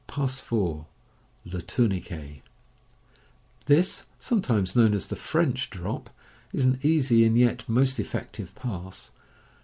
Pass 4. (Le Tourniquet). — This (sometimes known as the "French drop") is an easy and yet most effective pass.